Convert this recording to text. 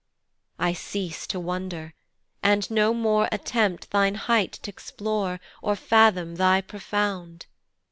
I cease to wonder, and no more attempt Thine height t' explore, or fathom thy profound.